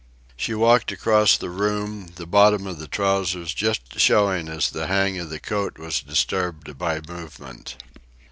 She walked across the room, the bottom of the trousers just showing as the bang of the coat was disturbed by movement.